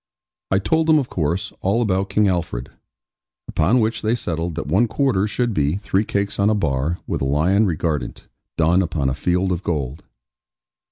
I told them, of course, all about King Alfred; upon which they settled that one quarter should be, three cakes on a bar, with a lion regardant, done upon a field of gold.